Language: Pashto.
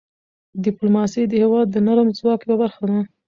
ډيپلوماسي د هېواد د نرم ځواک یوه برخه ده.